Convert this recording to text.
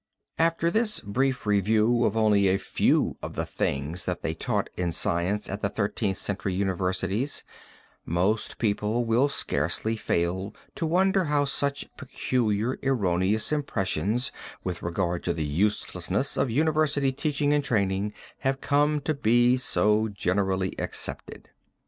After this brief review of only a few of the things that they taught in science at the Thirteenth Century universities, most people will scarcely fail to wonder how such peculiar erroneous impressions with regard to the uselessness of university teaching and training have come to be so generally accepted.